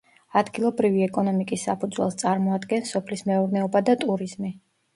ადგილობრივი ეკონომიკის საფუძველს წარმოადგენს სოფლის მეურნეობა და ტურიზმი.